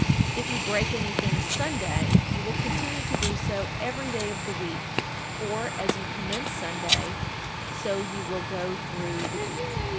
If you break anything Sunday, you will continue to do so every day of the week, or as you commence Sunday, so you will go through the week.